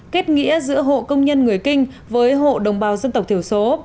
kết nghĩa giữa hộ công nhân người kinh với hộ đồng bào dân tộc thiểu số